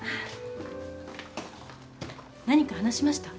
何か話しました？